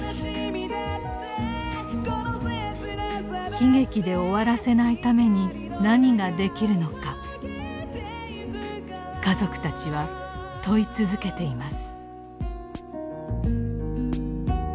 悲劇で終わらせないために何ができるのか家族たちは問い続けています。